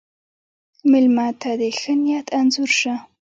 مېلمه ته د ښه نیت انځور شه.